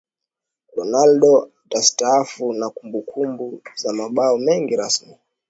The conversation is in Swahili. Ronaldo atastaafu na kumbukumbu za mabao mengi rasmi